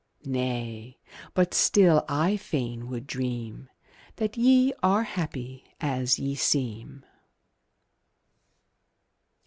Nay but still I fain would dream That ye are happy as ye seem.